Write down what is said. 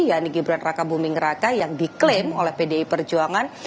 yakni gibran raka buming raka yang diklaim oleh pdi perjuangan